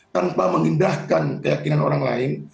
tanpa mengindahkan keyakinan orang lain